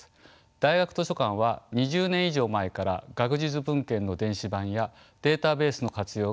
大学図書館は２０年以上前から学術文献の電子版やデータベースの活用が進んでいました。